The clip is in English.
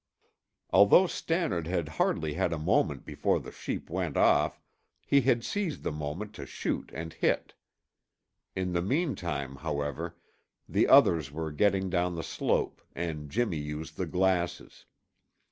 Although Stannard had hardly had a moment before the sheep went off, he had seized the moment to shoot and hit. In the meantime, however, the others were getting down the slope and Jimmy used the glasses.